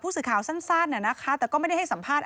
สื่อข่าวสั้นแต่ก็ไม่ได้ให้สัมภาษณ์